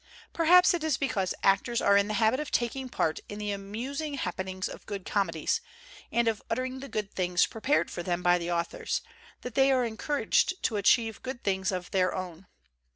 Perhaps it is because actors are in the habit of taking part in the amusing happen ings of good comedies, and of uttering the good things prepared for them by the authors, that they are encouraged to achieve good things of their own.